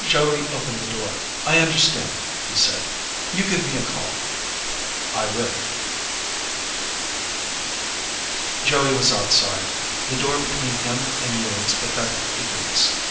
Joey opened the door. "I understand," he said. "You give me a call." "I will." Joey was outside the door between him and Ewing's pathetic eagerness.